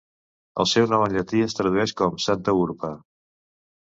El seu nom en llatí es tradueix com "santa urpa".